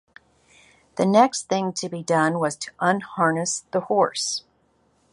The next thing to be done was to unharness the horse.